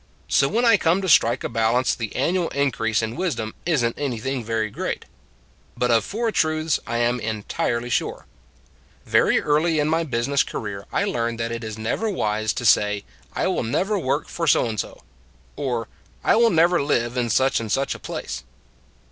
So when I come to strike a balance the an nual increase in wisdom is n t anything very great. But of four truths I am en tirely sure. " Very early in my business career I learned that it is never wise to say: I will never work for so and so, or I will never live in such and such a place.